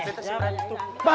betas yang berani